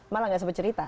malah nggak sempet cerita